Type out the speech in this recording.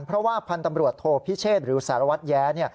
เพราะว่าพันธุ์ตำรวจโทพิเชษหรือสารวัตรแย้